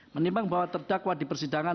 menimbang bahwa terdakwa di persidangan